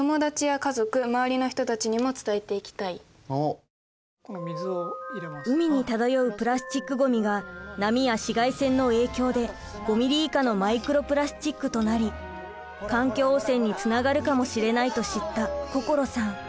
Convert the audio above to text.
私は海に漂うプラスチックごみが波や紫外線の影響で５ミリ以下のマイクロプラスチックとなり環境汚染につながるかもしれないと知った心さん。